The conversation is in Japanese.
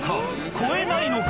超えないのか？